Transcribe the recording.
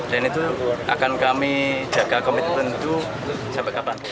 dan itu akan kami jaga komitmen itu sampai kapan